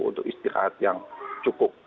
untuk istirahat yang cukup